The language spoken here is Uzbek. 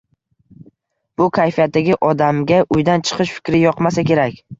Bu kayfiyatdagi odamga uydan chiqish fikri yoqmasa kerak.